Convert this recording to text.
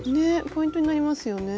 ポイントになりますよね。